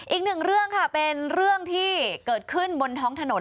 อีกหนึ่งเรื่องค่ะเป็นเรื่องที่เกิดขึ้นบนท้องถนน